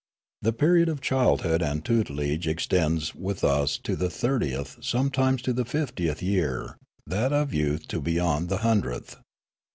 The period of childhood and tutelage extends with us to the thirtieth, sometimes to the fiftieth, year, that of youth to beyond the hundredth.